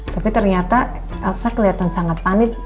tapi ternyata elsa kelihatan sangat panik